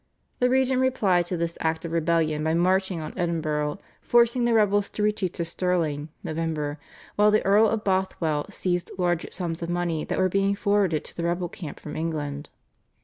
The regent replied to this act of rebellion by marching on Edinburgh, forcing the rebels to retreat to Stirling (Nov.), while the Earl of Bothwell seized large sums of money that were being forwarded to the rebel camp from England.